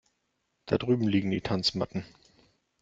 Da drüben liegen die Tanzmatten.